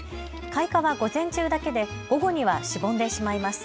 開花は午前中だけで午後にはしぼんでしまいます。